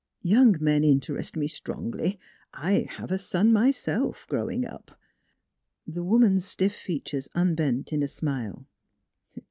Young men interest me strongly. I er have a son, myself, growing up." The woman's stiff features unbent in a smile.